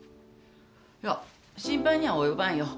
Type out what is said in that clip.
いや心配には及ばんよ。